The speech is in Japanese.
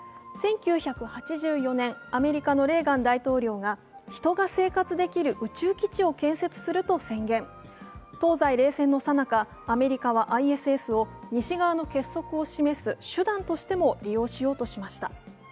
１９８４年、アメリカのレーガン大統領が人が生活できる宇宙基地を建設すると宣言、東西冷戦のさなか、アメリカはＩＳＳを西側の結束を示す手段としても利用しようとしました。